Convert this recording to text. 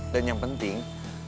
dan yang penting